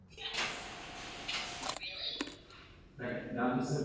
Neobsahuje tedy komplexní popis současného systému českého jazyka.